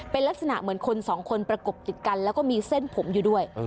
เป็นลักษณะเหมือนคนสองคนประกบติดกันแล้วก็มีเส้นผมอยู่ด้วย